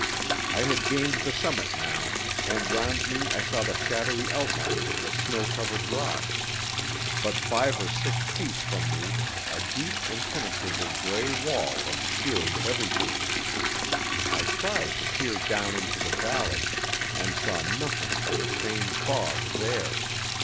I had gained the summit now, and round me I saw the shadowy outlines of the snow covered rocks, but five or six feet from me a deep, impenetrable grey wall obscured everything. I tried to peer down into the valley, and saw nothing but the same fog there.